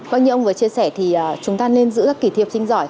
vâng như ông vừa chia sẻ thì chúng ta nên giữ các kỳ thi học sinh giỏi